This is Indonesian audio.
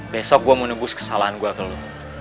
besok gue mau nebus kesalahan gue ke lo